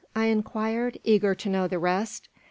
I inquired, eager to know the rest.